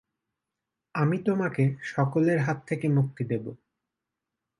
আমি তোমাকে সকলের হাত থেকে মুক্তি দেব।